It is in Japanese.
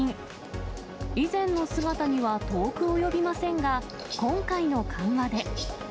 以前の姿には遠く及びませんが、今回の緩和で。